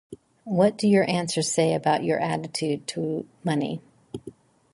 What do your answers say about your attitude to money?